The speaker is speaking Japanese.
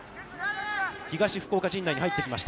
東福岡陣内に入ってきました。